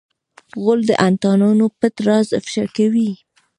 غول د انتاناتو پټ راز افشا کوي.